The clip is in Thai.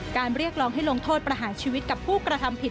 เรียกร้องให้ลงโทษประหารชีวิตกับผู้กระทำผิด